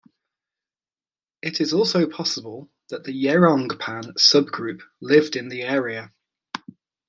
It is also possible that the Yerongpan sub-group lived in the area.